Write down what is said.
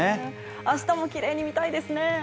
明日もきれいに見たいですね。